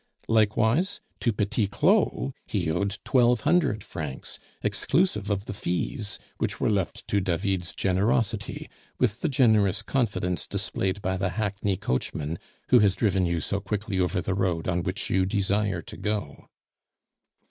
Likewise to Petit Claud he owed twelve hundred francs, exclusive of the fees, which were left to David's generosity with the generous confidence displayed by the hackney coachman who has driven you so quickly over the road on which you desire to go.